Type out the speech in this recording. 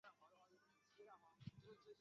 米尔维尔镇区。